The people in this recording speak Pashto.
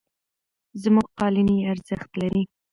زموږ قالینې ارزښت لري.